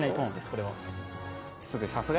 これは。